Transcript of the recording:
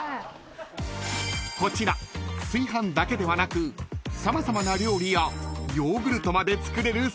［こちら炊飯だけではなく様々な料理やヨーグルトまで作れる優れもの］